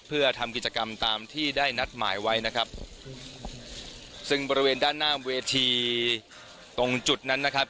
เพื่อทำกิจกรรมตามที่ได้นัดหมายไว้นะครับซึ่งบริเวณด้านหน้าเวทีตรงจุดนั้นนะครับ